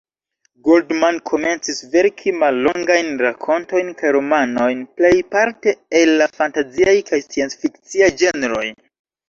Goldman komencis verki mallongajn rakontojn kaj romanojn, plejparte el la fantaziaj kaj sciencfikciaj ĝenroj.